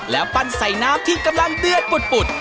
แล้วปั้นใส่น้ำที่กำลังเดือดปุด